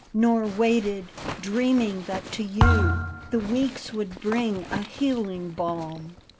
Nor waited, dreaming that to you The weeks would bring a healing balm.